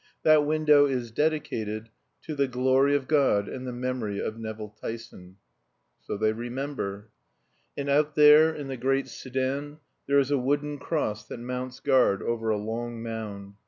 That window is dedicated TO THE GLORY OF GOD AND THE MEMORY OF NEVILL TYSON. So they remember. And out there, in the great Soudan, there is a wooden cross that mounts guard over a long mound.